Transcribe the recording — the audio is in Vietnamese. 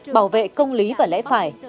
bảo vệ công lý và lẽ phải